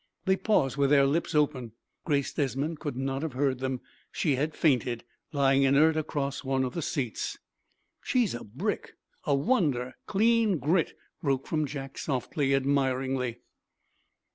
They paused with their lips open. Grace Desmond could not have heard them; she had fainted, lying inert across one of the seats. "She's a brick a wonder clean grit," broke from Jack, softly, admiringly.